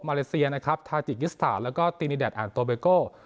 มาเลเซียนะครับทาจิกิสทาแล้วก็ตีนิแดทอาลโตปิโกะ